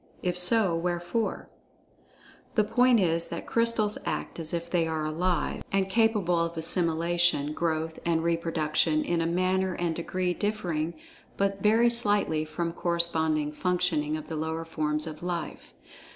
If so, wherefore? The point is that Crystals act as if they are "alive," and capable of assimilation, growth, and reproduction, in a manner and degree dif[Pg 53]fering but very slightly from corresponding functioning of the lower forms of "life."